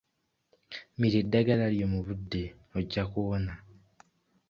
Mira eddagala lyo mu budde, ojja kuwona.